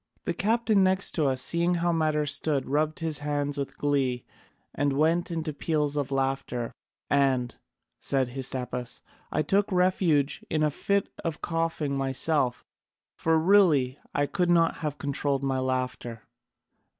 The captain next to us seeing how matters stood rubbed his hands with glee and went into peals of laughter. And," said Hystaspas, "I took refuge in a fit of coughing myself, for really I could not have controlled my laughter.